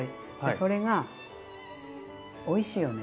それがおいしいよね。